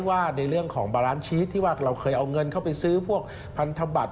ว่าในเรื่องของบารานชีสที่ว่าเราเคยเอาเงินเข้าไปซื้อพวกพันธบัตร